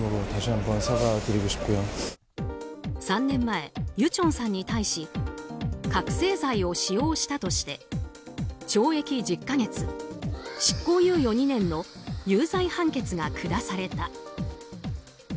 ３年前、ユチョンさんに対し覚醒剤を使用したとして懲役１０か月、執行猶予２年の有罪判決が下された。